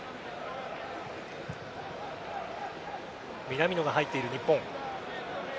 南野が入っている日本。